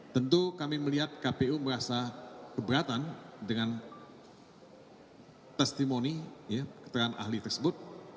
tentu kami melihat kpu merasa keberatan dengan testimoni keterangan ahli tersebut